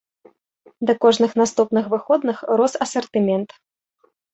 Да кожных наступных выходных рос асартымент.